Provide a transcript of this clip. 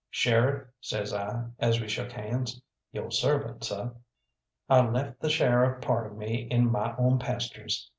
"Sheriff," says I, as we shook hands, "yo' servant, seh." "I left the sheriff part of me in my own pastures."